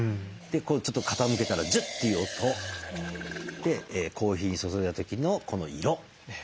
ちょっと傾けたらジュッていう音。でコーヒー注いだ時のこの色。